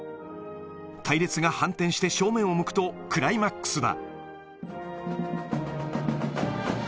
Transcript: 隊列が反転して正面を向くと、クライマックスだ。